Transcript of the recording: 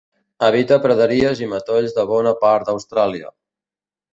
Habita praderies i matolls de bona part d'Austràlia.